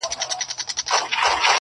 o د غله مور په غلا ژاړي!